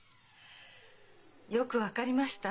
よく分かりました。